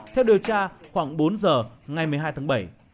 theo điều tra khoảng bốn giờ ngày một mươi hai tháng bảy